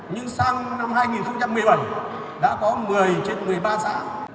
nhưng sang năm hai nghìn một mươi bảy đã có một mươi trên một mươi ba xã